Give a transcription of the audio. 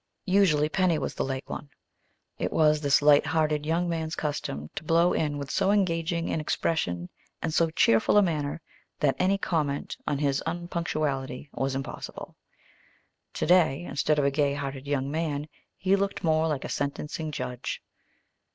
Usually, Penny was the late one. It was this light hearted young man's custom to blow in with so engaging an expression and so cheerful a manner that any comment on his unpunctuality was impossible. Today, instead of a gay hearted young man, he looked more like a sentencing judge.